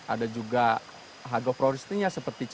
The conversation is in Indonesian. ada juga harga produk